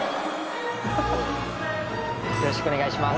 よろしくお願いします。